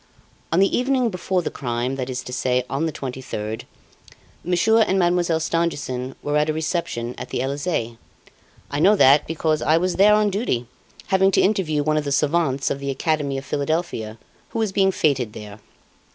On the evening before the crime, that is to say, on the 23rd, Monsieur and Mademoiselle Stangerson were at a reception at the Elysee. I know that, because I was there on duty, having to interview one of the savants of the Academy of Philadelphia, who was being feted there.